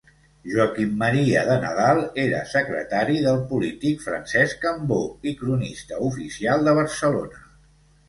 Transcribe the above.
Joaquim Maria de Nadal, era secretari del polític Francesc Cambó i cronista oficial de Barcelona.